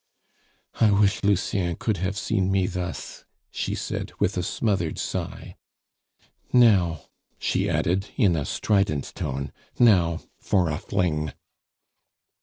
"I wish Lucien could have seen me thus!" she said with a smothered sigh. "Now," she added, in a strident tone, "now for a fling!"